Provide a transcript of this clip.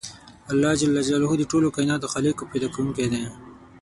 الله ج د ټولو کایناتو خالق او پیدا کوونکی دی .